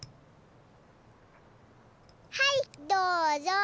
はいどうぞ！